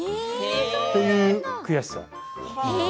そういう悔しさ。